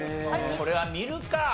これは見るか。